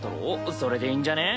それでいいんじゃね？